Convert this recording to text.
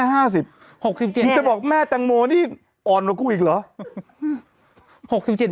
๖๗แม่นี่จะบอกแม่ตังโมนี่อ่อนกว่ากูอีกหรอ